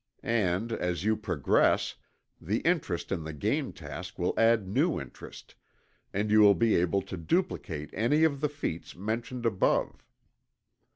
And, as you progress, the interest in the game task will add new interest, and you will be able to duplicate any of the feats mentioned above.